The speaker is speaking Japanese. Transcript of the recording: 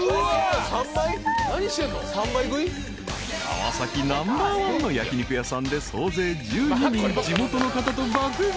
［川崎ナンバーワンの焼き肉屋さんで総勢１２人地元の方と爆食い］